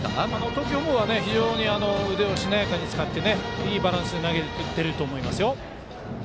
投球フォームは非常に腕をしなやかに使っていいバランスで投げていると思います。